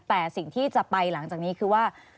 แต่สิ่งที่จะไปหลังจากนี้คือว่า